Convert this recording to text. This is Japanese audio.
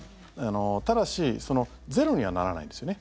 ただし、ゼロにはならないんですよね。